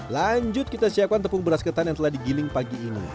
lanjut kita siapkan tepung beras ketan yang telah digiling pagi ini